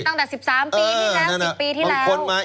ก็มีคดีตั้งแต่๑๓ปี